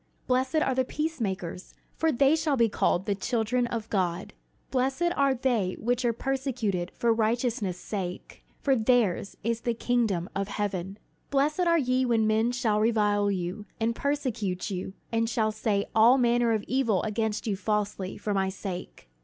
"Blessed are the peacemakers: for they shall be called the children of God. "Blessed are they which are persecuted for righteousness' sake: for theirs is the kingdom of heaven. "Blessed are ye when men shall revile you, and persecute you, and shall say all manner of evil against you falsely, for my sake.